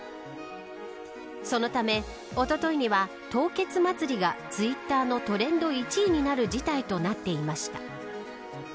そのため、おとといには凍結祭りがツイッターのトレンド１位になる事態となっていました。